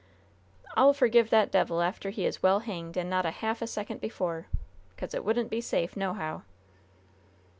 "I'll forgive that devil after he is well hanged, and not a half a second before. 'Cause it wouldn't be safe, nohow."